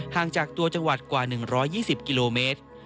ห่างจากตัวจังหวัดกว่า๑๒๐กิโลเมตร